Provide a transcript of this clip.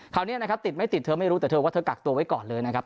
คราวนี้นะครับติดไม่ติดเธอไม่รู้แต่เธอว่าเธอกักตัวไว้ก่อนเลยนะครับ